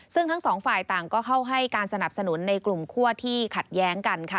ซึ่งทั้งสองฝ่ายต่างก็เข้าให้การสนับสนุนในกลุ่มคั่วที่ขัดแย้งกันค่ะ